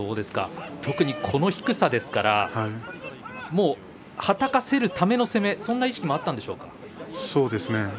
特にこの低さですからはたかせるための攻めそんな意識もあったんでしょうか。